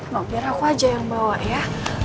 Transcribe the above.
loh biar aku aja yang bawa ya